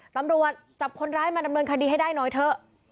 ตำรวจจับคนร้ายมาดำเนินคดีให้ได้หน่อยเถอะ